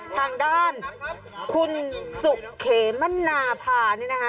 ทางด้านคุณสุเขมนาภานี่นะคะ